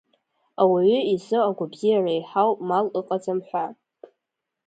Ауаҩы изы агәабзиара еиҳау мал ыҟаӡам ҳәа.